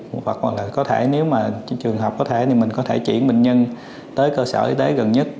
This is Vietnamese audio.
một hoặc là có thể nếu mà trường hợp có thể thì mình có thể chuyển bệnh nhân tới cơ sở y tế gần nhất